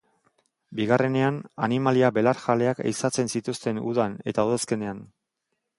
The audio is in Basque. Bigarrenean, animalia belarjaleak ehizatzen zituzten udan eta udazkenean.